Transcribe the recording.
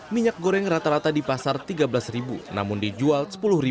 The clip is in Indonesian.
minyak goreng rata rata di pasar tiga belas namun dijual sepuluh lima ratus